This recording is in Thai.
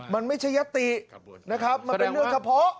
มันไม่ใช่ยัตตินะครับมันเป็นเรื่องเฉพาะ